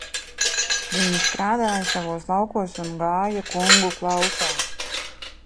Viņi strādāja savos laukos un gāja kungu klaušās.